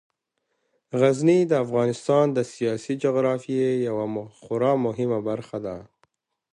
غزني د افغانستان د سیاسي جغرافیې یوه خورا مهمه برخه ده.